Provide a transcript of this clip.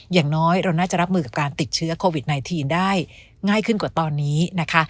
อย่างน้อยเราน่าจะรับมือกับการติดเชื้อโควิด๑๙ได้ง่ายขึ้นกว่าตอนนี้นะคะ